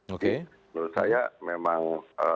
menurut saya memang